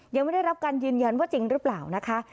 ยังไม่ได้รับการยืนยันว่าจริงหรือเปล่านะคะ